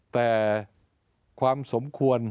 แต่ความสมควร